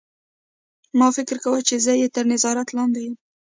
ما فکر کاوه چې زه یې تر نظارت لاندې یم